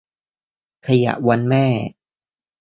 ขยะวันแม่